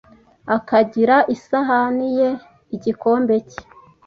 akagira isahani ye, igikombe cye